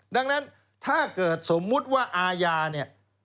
ดังนั้นถ้าเกิดสมมุติว่าอาญาเนี่ย